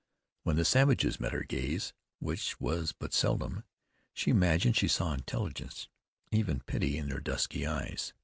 When the savages met her gaze, which was but seldom, she imagined she saw intelligence, even pity, in their dusky eyes.